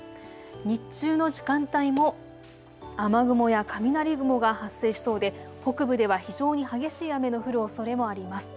日中の時間帯も雨雲や雷雲が発生しそうで北部では非常に激しい雨の降るおそれもあります。